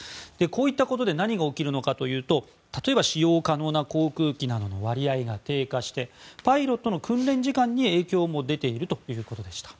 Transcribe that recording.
こういったことで何が起きるのかというと例えば、使用可能な航空機などの割合が低下してパイロットの訓練時間に影響も出ているということでした。